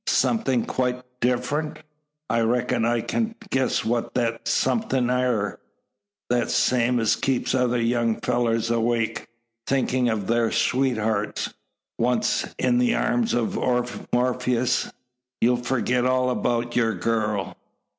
"Something quite diff'rent? I reck'n I kin guess what thet somethin' air the same as keeps other young fellurs awake thinkin' o' thar sweethearts. Once't in the arms o' Morpheous, ye'll forgit all about your gurl.